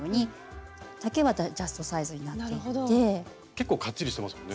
結構かっちりしてますよね。